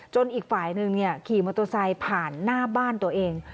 อีกฝ่ายหนึ่งขี่มอเตอร์ไซค์ผ่านหน้าบ้านตัวเอง